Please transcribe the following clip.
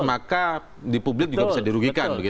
maka di publik juga bisa dirugikan